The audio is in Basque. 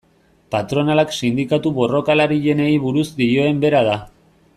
Patronalak sindikatu borrokalarienei buruz dioen bera da.